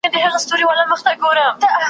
تر بام لاندي یې مخلوق تر نظر تېر کړ `